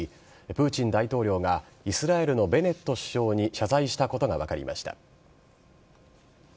プーチン大統領がイスラエルのベネット首相に謝罪したことが分かりました。